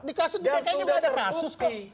di kasus dki juga ada kasus kok